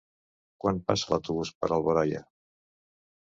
Quan passa l'autobús per Alboraia?